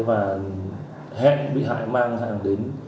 và hẹn bị hại mang hàng đến